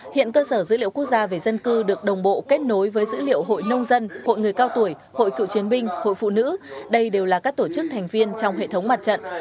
hiện cơ sở dữ liệu quốc gia về dân cư được đồng bộ kết nối với dữ liệu hội nông dân hội người cao tuổi hội cựu chiến binh hội phụ nữ đây đều là các tổ chức thành viên trong hệ thống mặt trận